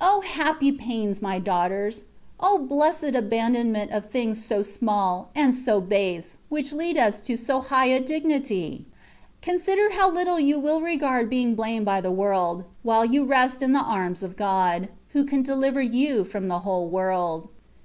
O happy pains, my daughters ! O blessed aban donment of things so small, and so base, which leads us to so high a dignity ! Consider how little you will regard being blamed by the world, while you rest in the arms of God, m ho can deliver you from the whole world.